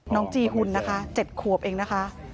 จีหุ่นนะคะ๗ขวบเองนะคะ